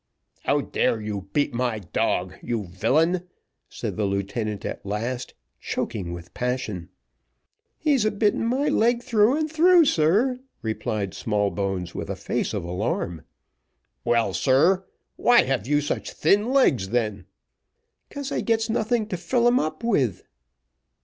"How dare you beat my dog, you villain?" said the lieutenant at last, choking with passion. "He's a bitten my leg through and through, sir," replied Smallbones, with a face of alarm. "Well, sir, why have you such thin legs, then?" "'Cause I gets nothing to fill 'em up with."